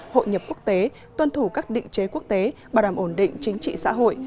hội nhập quốc tế tuân thủ các định chế quốc tế bảo đảm ổn định chính trị xã hội